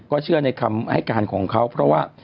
เชื่อในคำให้การของเขาเพราะว่า